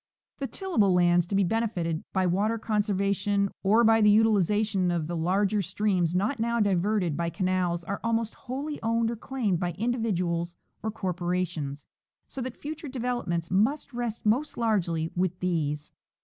The tillable lands to be benefited by water conservation or by the utilization of the larger streams not now diverted by canals are almost wholly owned or claimed by individuals or corpora tions, so that future developments must rest most largely with these.